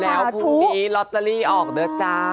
แล้วพรุ่งนี้ลอตเตอรี่ออกเด้อจ้า